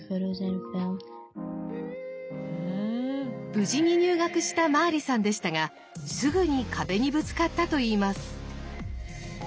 無事に入学したマーリさんでしたがすぐに壁にぶつかったといいます。